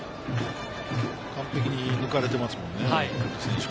完璧に抜かれてますもんね。